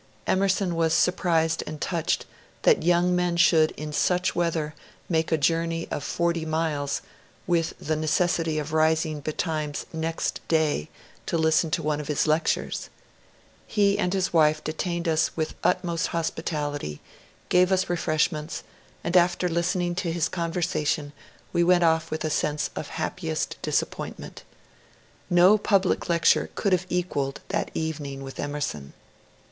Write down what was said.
Emerson was surprised and touched, that young men should in such weather make a journey of forty miles, with the neces sity of rising betimes next day, to listen to one of his lectures. He and his wife detained us with utmost hospitality, gave us EMERSON ON POETRY 167 refreshments, and after listening to his conversation we went off with a sense of happiest disappointment. No public lec ture could have equalled that eyening with Emerson.